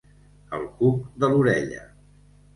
El cuc de l'orella.